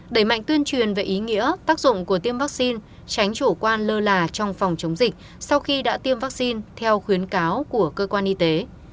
đẩy mạnh tuyên truyền về ý nghĩa tác dụng của tiêm vaccine tránh chủ quan lơ là trong phòng chống dịch sau khi đã tiêm vaccine theo khuyến cáo của cơ quan y tế